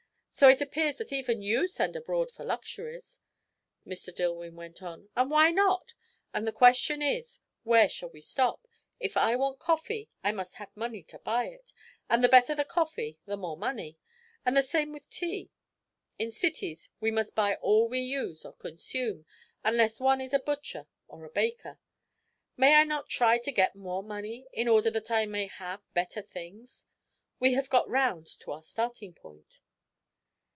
"So it appears that even you send abroad for luxuries," Mr. Dillwyn went on. "And why not? And the question is, where shall we stop? If I want coffee, I must have money to buy it, and the better the coffee the more money; and the same with tea. In cities we must buy all we use or consume, unless one is a butcher or a baker. May I not try to get more money, in order that I may have better things? We have got round to our starting point."